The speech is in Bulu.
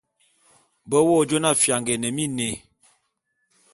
Be wo jona fianga é ne miné.